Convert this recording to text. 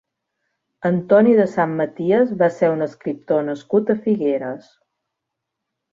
Antoni de Sant Maties va ser un escriptor nascut a Figueres.